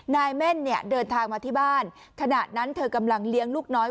แม่นเนี่ยเดินทางมาที่บ้านขณะนั้นเธอกำลังเลี้ยงลูกน้อย